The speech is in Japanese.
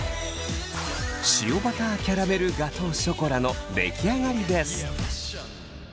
塩バターキャラメルガトーショコラの出来上がりです。